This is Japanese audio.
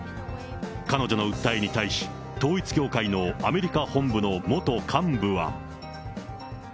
彼女の訴えに対し、統一教会のアメリカ本部の元幹部は。